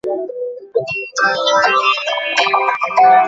সত্যিই তুমি জানতে চাও?